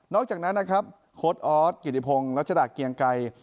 จากนั้นนะครับโค้ดออสกิติพงศ์รัชดาเกียงไกร